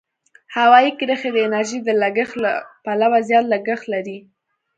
هوایي کرښې د انرژۍ د لګښت له پلوه زیات لګښت لري.